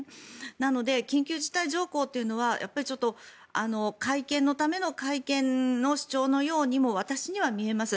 なので、緊急事態条項というのはちょっと、改憲のための改憲の主張のようにも私には見えます。